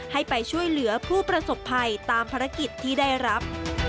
ให้ไปช่วยเหลือผู้ประสบภัยตามภารกิจที่ได้รับ